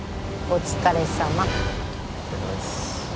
お疲れさまです。